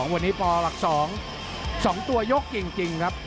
วันนี้ปหลัก๒๒ตัวยกจริงครับ